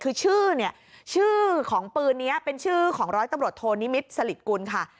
คือชื่อเนี่ยชื่อของปืนนี้เป็นชื่อของร้อยตำรวจโทนิมิตรสลิดกุลค่ะ